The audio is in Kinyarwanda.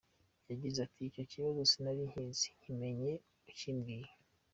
Yagize ati “ Icyo kibazo sinari nkizi , nkimenye ukimbwiye.